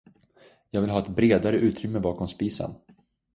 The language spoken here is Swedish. Jag vill ha ett bredare utrymme bakom spisen.